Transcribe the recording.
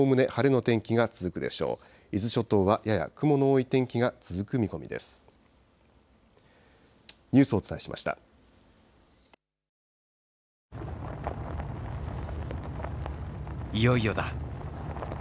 いよいよだ。